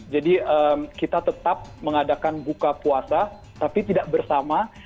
kita tetap mengadakan buka puasa tapi tidak bersama